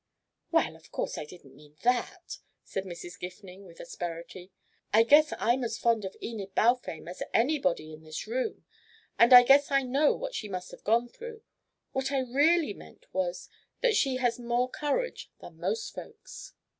"Well, of course I didn't mean that!" said Mrs. Gifning with asperity. "I guess I'm as fond of Enid Balfame as anybody in this room, and I guess I know what she must have gone through. What I really meant was that she has more courage than most folks."